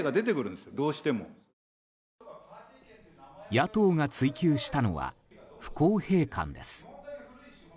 野党が追及したのは不公平感です。